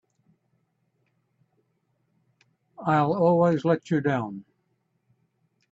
I'll always let you down!